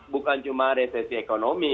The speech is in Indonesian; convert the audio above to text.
bukan cuma resesi ekonomi